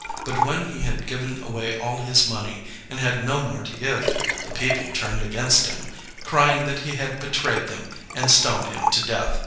But when he had 30 LEONID ANDREYEV given away all his money and had no more to give, the people turned against him, crying that he had betrayed them, and stoned him to death.